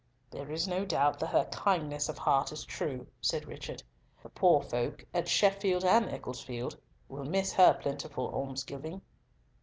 "There is no doubt that her kindness of heart is true," said Richard. "The poor folk at Sheffield and Ecclesfield will miss her plentiful almsgiving."